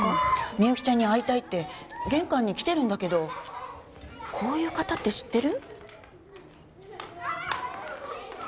みゆきちゃんに会いたいって玄関に来てるんだけどこういう方って知ってる？